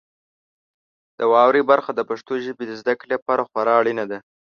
د واورئ برخه د پښتو ژبې د زده کړې لپاره خورا اړینه ده.